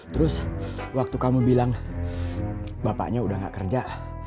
terus waktu kamu bilang bapaknya udah gak kerja